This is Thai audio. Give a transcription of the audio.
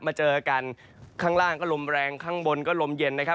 มาเจอกันข้างล่างก็ลมแรงข้างบนก็ลมเย็นนะครับ